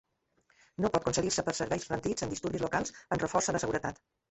No pot concedir-se per serveis rendits en disturbis locals en reforç a la seguretat.